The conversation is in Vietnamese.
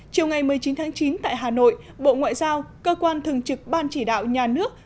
chiều ngày một mươi chín tháng chín tại hà nội bộ ngoại giao cơ quan thường trực ban chỉ đạo nhà nước